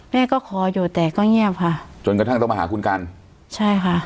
แม่ก็ขออยู่แต่ก็เงียบค่ะจนกระทั่งต้องมาหาคุณกันใช่ค่ะ